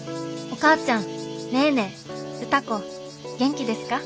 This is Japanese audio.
「お母ちゃんネーネー歌子元気ですか？